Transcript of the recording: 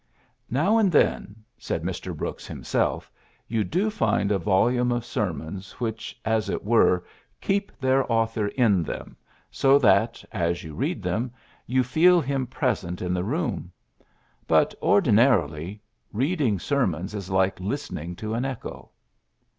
^^Now and then,'' said Mr. Brooks himself, ^^you do find a volume of sermons which, as it were, keep their author in them, so that, as PHILLIPS BKOOKS 61 you read them, you feel him present in the room. But, ordinarily, reading ser mons is like listening to an echo."